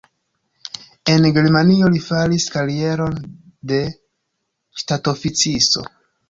En Germanio li faris karieron de ŝtatoficisto.